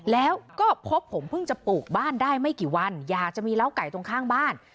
แล้วก็พบผมเพิ่งจะปลูกบ้านได้ไม่กี่วันอยากจะมีเล้าไก่ตรงข้างบ้าน